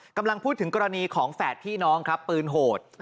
กำลังพูดถึงกรณีของแฝดพี่น้องครับปืนโหด